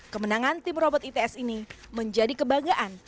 kemenangan tim robot its ini menjadi kebanggaan